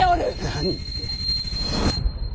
何って。